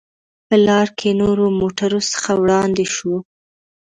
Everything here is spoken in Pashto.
په لار کې له نورو موټرو څخه وړاندې شوو.